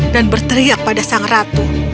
dan berteriak pada sang ratu